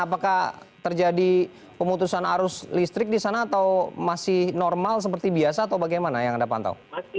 apakah terjadi pemutusan arus listrik di sana atau masih normal seperti biasa atau bagaimana yang anda pantau